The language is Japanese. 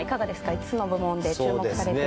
５つの部門で注目されてるのは。